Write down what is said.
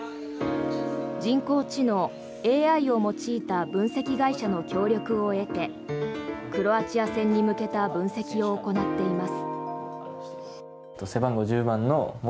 人工知能・ＡＩを用いた分析会社の協力を得てクロアチア戦に向けた分析を行っています。